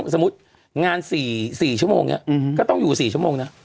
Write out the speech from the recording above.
สมมุติงาน๔ชั่วโมงนี้ก็ต้องอยู่๔ชั่วโมงนะ